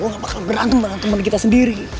lo gak bakal berantem bareng temen kita sendiri